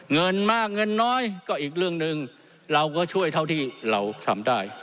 เงินมากเงินน้อยก็อีกเรื่องหนึ่งเราก็ช่วยเท่าที่เราทำได้